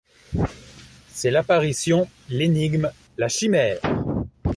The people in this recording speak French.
C’est l’apparition, l’énigme, la chimère